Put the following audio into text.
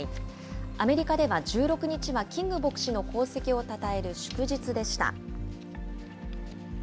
アメリカでは１６日、キング牧師の功績をたたえる祝日でした。